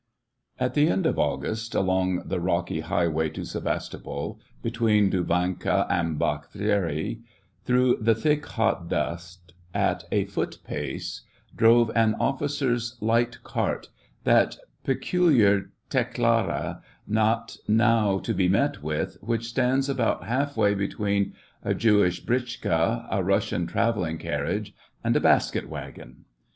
At the end of August, along the rocky high way to Sevastopol, between Duvanka and Bakh tchisaraY, through the thick, hot dust, at a foot pace, drove an officer's light cart, that peculiar tclycrJika, not now to be met with, which stands about half way between a Jewish britchka^ a Rus sian travelling carriage, and a basket wagon.